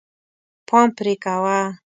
پام پرې کوه.